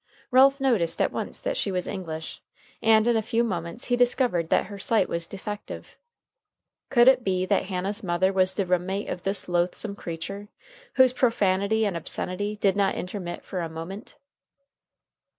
Ralph noticed at once that she was English, and in a few moments he discovered that her sight was defective. Could it be that Hannah's mother was the room mate of this loathsome creature, whose profanity and obscenity did not intermit for a moment?